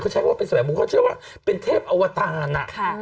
เขาใช้ว่าเป็นแสวงบุญเขาเชื่อว่าเป็นเทพอวตาร